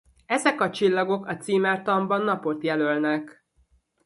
Ezek a csillagok a címertanban napot jelölnek.